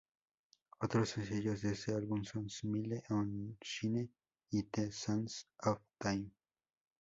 Otros sencillos de este álbum son: "Smile 'n' Shine" y "The Sands Of Time".